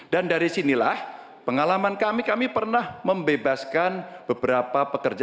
dan dari sinilah pengalaman kami kami pernah membebaskan beberapa pekerja